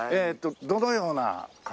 どのような方？